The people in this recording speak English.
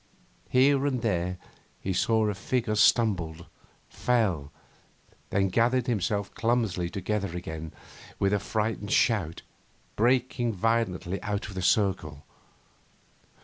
Here and there, he saw, a figure stumbled, fell, then gathered itself clumsily together again with a frightened shout, breaking violently out of the circle.